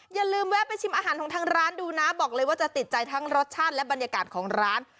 อย่าลืมแวะไปชิมอาหารของทางร้านดูนะบอกเลยว่าจะติดใจทั้งรสชาติและบรรยากาศของร้าน